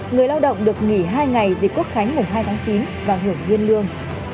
bốn người lao động được nghỉ hai ngày dịch quốc khánh mùa hai tháng chín và hưởng nguyên lương